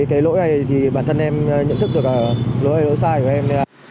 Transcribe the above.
cái lỗi này thì bản thân em nhận thức được là lỗi sai của em